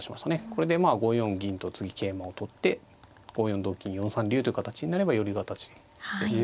これでまあ５四銀と次桂馬を取って５四同金４三竜という形になれば寄り形です。